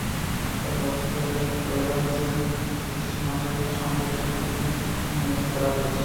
তবে অবসরে চলে যাওয়া কিছু স্টেশনমাস্টারকে সম্প্রতি চুক্তিভিত্তিক নিয়োগ দেওয়া হয়েছে।